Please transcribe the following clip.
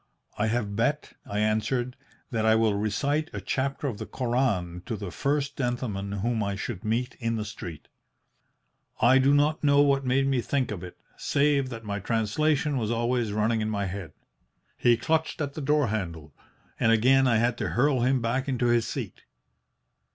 "'I have bet,' I answered, 'that I will recite a chapter of the Koran to the first gentleman whom I should meet in the street.' "I do not know what made me think of it, save that my translation was always running in my head. He clutched at the door handle, and again I had to hurl him back into his seat.